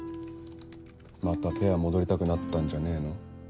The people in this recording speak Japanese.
またペア戻りたくなったんじゃねえの？